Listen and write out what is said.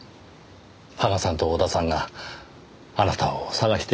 羽賀さんと小田さんがあなたを捜しています。